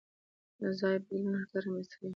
ځای بدلول حرکت رامنځته کوي.